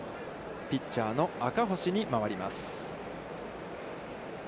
ピッチャーの赤星に回ります。